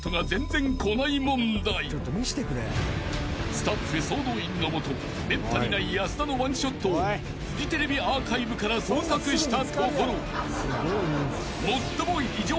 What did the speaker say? ［スタッフ総動員のもとめったにない保田の１ショットをフジテレビアーカイブから捜索したところ］